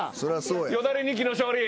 よだれニキの勝利。